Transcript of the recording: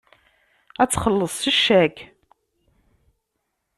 Ad txelleṣ s ccak.